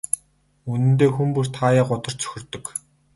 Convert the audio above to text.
Үнэндээ хүн бүр хааяа гутарч цөхөрдөг.